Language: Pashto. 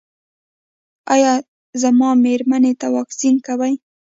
ایا زما میرمنې ته واکسین کوئ؟